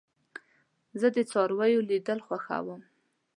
زه د څارويو لیدل خوښوم.